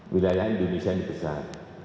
wilayah indonesia ini besar